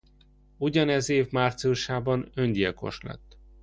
Ugyanez év márciusában öngyilkos lett.